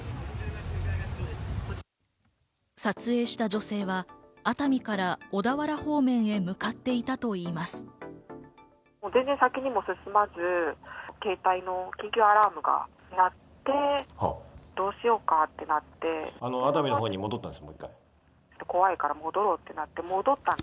撮影した女性は熱海から小田原方面へ向かっていたといいます。